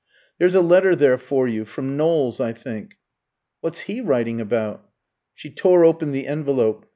"There's a letter there for you, from Knowles, I think." "What's he writing about?" She tore open the envelope.